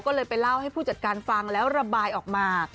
ก็เลยไปเล่าให้ผู้จัดการฟังแล้วระบายออกมา